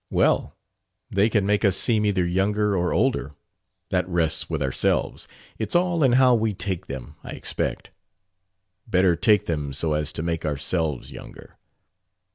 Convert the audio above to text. "Well, they can make us seem either younger or older. That rests with ourselves. It's all in how we take them, I expect." "Better take them so as to make ourselves younger."